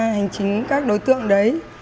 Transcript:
hành chính các đối tượng đấy